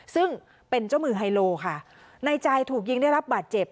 ซึ่งเป็นเจ้ามือไฮโลค่ะในใจถูกยิงได้รับบาดเจ็บ